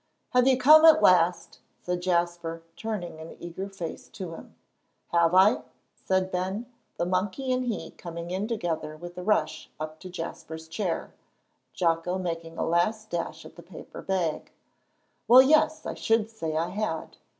"Have you come at last!" said Jasper, turning an eager face to him. "Have I?" said Ben, the monkey and he coming in together with a rush up to Jasper's chair, Jocko making a last dash at the paper bag; "well, yes, I should say I had.